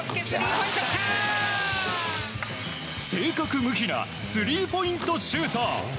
正確無比なスリーポイントシュート。